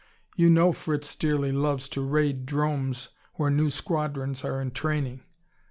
You know Fritz dearly loves to raid 'dromes where new squadrons are in training.